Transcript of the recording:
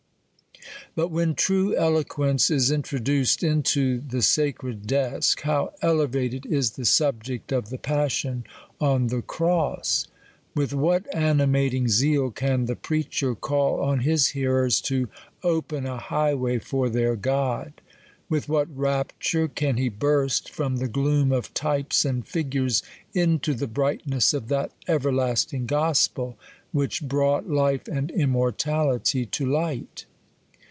But when true Eloquence is introduced into the sa cred desk, how elevated is the subject of the passion on the cross ! With what animating 7,eal can the preacher call on his hearers, to " open a highway for their God V^ With what rapture can he burst from the gloom of types and figures, into the brightnessofthat everlasting Gospel which brought " life and immortality to light